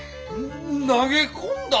投げ込んだ？